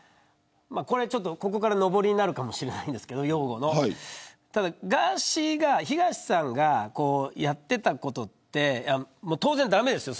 ここから擁護ののぼりになるかもしれませんけどガーシーがやっていたことって当然駄目ですよ。